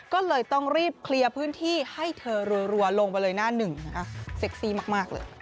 ก็เลยต้องรีบเคลียร์พื้นที่ให้เธอรัวลงไปเลยหน้าหนึ่งนะคะเซ็กซี่มากเลย